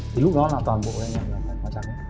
thì lúc đó là toàn bộ là nhà hàng tài khoa trang